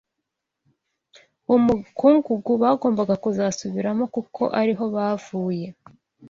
umukungugu bagombaga kuzasubiramo kuko ari ho bavuye